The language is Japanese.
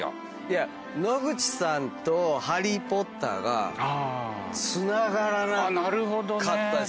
野口さんと『ハリー・ポッター』がつながらなかったです。